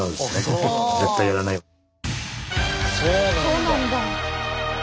そうなんだ。